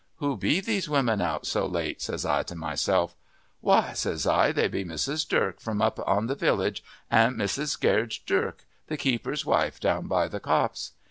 Who be these women out so late? says I to myself. Why, says I, they be Mrs. Durk from up in the village an' Mrs. Gaarge Durk, the keeper's wife down by the copse.